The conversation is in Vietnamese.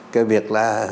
cái việc là